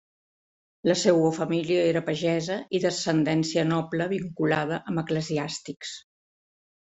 La seua família era pagesa i d'ascendència noble vinculada amb eclesiàstics.